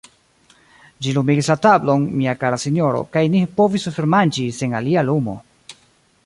Ĝi lumigis la tablon, mia kara sinjoro, kaj ni povis vespermanĝi sen alia lumo.